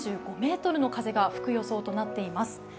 ３５ｍの風が吹く予想となっています